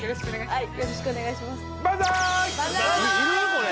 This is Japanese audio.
これ。